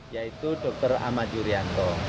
yaitu dr ahmad yuryanto